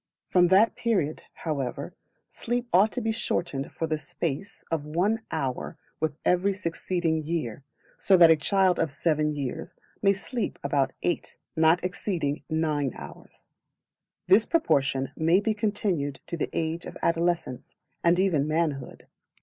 From that period, however, sleep ought to be shortened for the space of one hour with every succeeding year, so that a child of seven years old may sleep about eight, and not exceeding nine hours: this proportion may be continued to the age of adolescence, and even manhood.